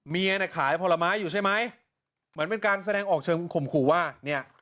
เมียน่ะขายผลไม้อยู่ใช่ไหมเหมือนเป็นการแสดงออกเชิงข่มขู่ว่าเนี่ย